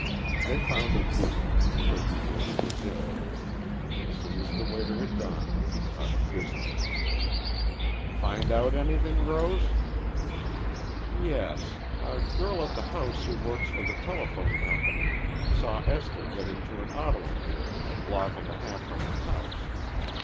They found a booth and Kirby ordered the dinner. As soon as the waiter had gone he talked business. "Find out anything, Rose?" "Yes. A girl at the house who works for the telephone company saw Esther get into an automobile a block and a half from the house.